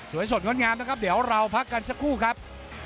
สดงดงามนะครับเดี๋ยวเราพักกันสักครู่ครับ